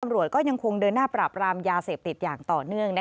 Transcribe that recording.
ตำรวจก็ยังคงเดินหน้าปราบรามยาเสพติดอย่างต่อเนื่อง